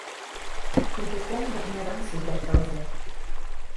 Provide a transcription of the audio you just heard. Пуйто комдык неран сугыр тылзе